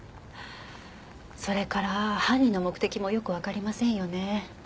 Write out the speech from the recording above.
それから犯人の目的もよくわかりませんよね。